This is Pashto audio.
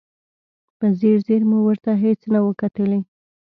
په ځیر ځیر مو ورته هېڅ نه و کتلي.